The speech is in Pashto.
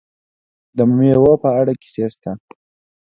د میوو په اړه کیسې شته.